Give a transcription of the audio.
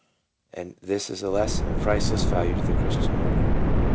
And this is a lesson of priceless value to the Christian worker.